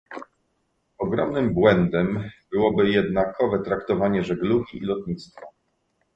ogromnym błędem byłoby jednakowe traktowanie żeglugi i lotnictwa